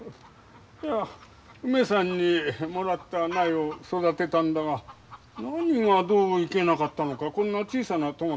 いやうめさんにもらった苗を育てたんだが何がどういけなかったのかこんな小さなトマトしかならなかった。